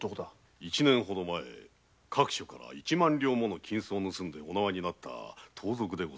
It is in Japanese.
一年ほど前各所から一万両もの金を盗みお縄になった盗賊です。